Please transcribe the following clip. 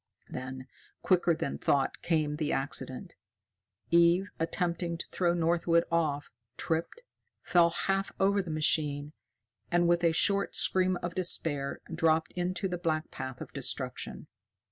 Then, quicker than thought, came the accident. Eve, attempting to throw Northwood off, tripped, fell half over the machine, and, with a short scream of despair, dropped into the black path of destruction.